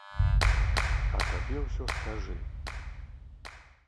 А табе ўсё скажы!